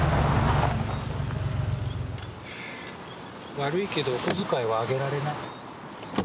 悪いけどお小遣いはあげられない。